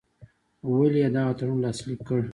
ولي یې دغه تړون لاسلیک کړ.